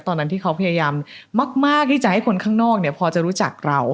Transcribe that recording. ตอนนั้นที่เขาพยายามมากที่จะให้คนข้างนอกเนี่ยพอจะรู้จักเรา